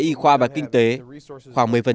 y khoa và kinh tế khoảng một mươi